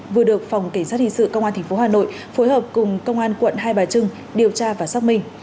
vừa được phòng cảnh sát hình sự công an tp hà nội phối hợp cùng công an quận hai bà trưng điều tra và xác minh